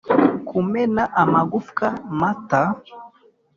kumena amagufwa mata